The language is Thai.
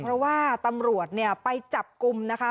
เพราะว่าตำรวจเนี่ยไปจับกลุ่มนะคะ